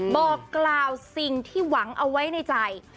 บอกกล่าวสิ่งที่หวังเอาไว้ในใจ